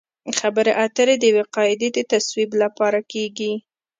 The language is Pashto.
خبرې اترې د یوې قاعدې د تصویب لپاره کیږي